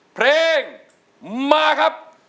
เพลงมาครับ